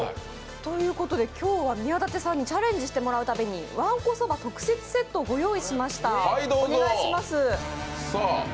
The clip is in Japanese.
今日は宮舘さんにチャレンジしていただくためにわんこそば特設セットをご用意しました、お願いします。